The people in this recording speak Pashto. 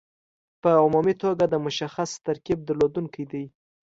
په عمومي توګه د مشخص ترکیب درلودونکي دي.